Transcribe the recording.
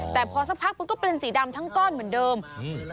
แต่พอสักพักมันก็เป็นสีดำทั้งก้อนเหมือนเดิมอืม